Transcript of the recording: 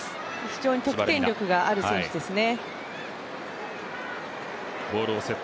非常に得点力がある選手ですね。